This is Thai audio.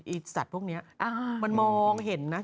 สัตว์พวกนี้มันมองเห็นนะ